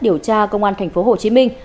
điều tra công an thành phố hồ chí minh